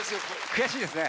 悔しいですね。